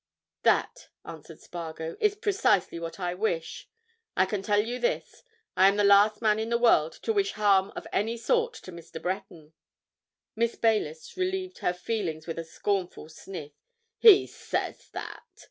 "That," answered Spargo, "is precisely what I wish. I can tell you this—I am the last man in the world to wish harm of any sort to Mr. Breton." Miss Baylis relieved her feelings with a scornful sniff. "He says that!"